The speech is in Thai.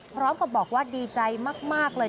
พร้อมกับบอกว่าดีใจมากเลย